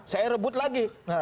saya rebut lagi